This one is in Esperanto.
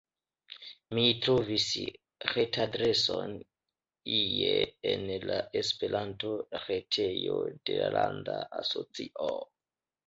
Mi trovis retadreson ie en la Esperanto-retejo de la landa asocio.